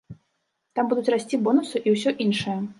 Там будуць расці бонусы і ўсё іншае.